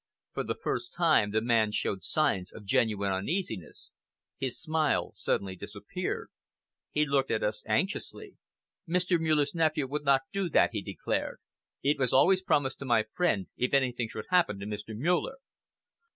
For the first time, the man showed signs of genuine uneasiness. His smile suddenly disappeared. He looked at us anxiously. "Mr. Muller's nephew would not do that," he declared. "It was always promised to my friend, if anything should happen to Mr. Muller."